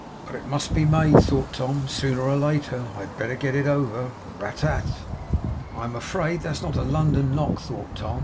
'But it must be made,' thought Tom, 'sooner or later; and I had better get it over.' Rat tat. 'I am afraid that's not a London knock,' thought Tom.